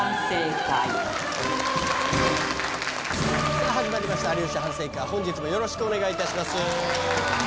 さぁ始まりました『有吉反省会』本日もよろしくお願いします。